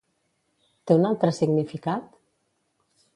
Té un altre significat?